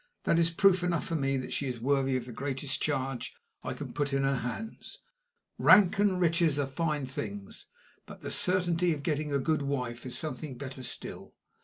That is proof enough for me that she is worthy of the greatest charge I can put into her hands. Rank and riches are fine things, but the certainty of getting a good wife is something better still.